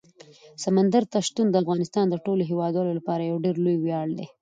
سمندر نه شتون د افغانستان د ټولو هیوادوالو لپاره یو ډېر لوی ویاړ دی.